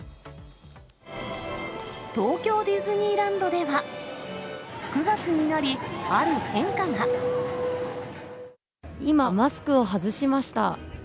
東京ディズニーランドでは、今、マスクを外しました。